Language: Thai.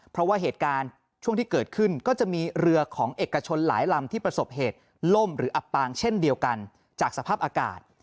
เพราะว่าเหตุการณ์ช่วงที่เกิดขึ้นก็จะมีเรือของเอกชนหลายลำที่ประสบเหตุล่มหรืออับปางเช่นเดียวกันจากสภาพอากาศ